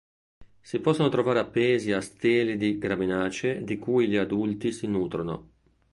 Si possono trovare appesi a steli di graminacee di cui gli adulti si nutrono.